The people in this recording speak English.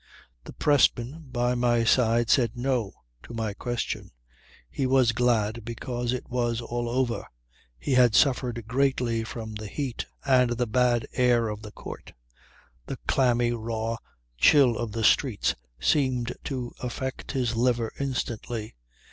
The pressman by my side said 'No,' to my question. He was glad because it was all over. He had suffered greatly from the heat and the bad air of the court. The clammy, raw, chill of the streets seemed to affect his liver instantly.